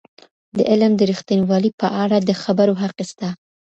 د علم د ریښتینوالی په اړه د خبرو حق سته.